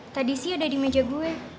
tadi sih ada di meja gue